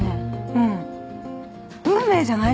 うん運命じゃない？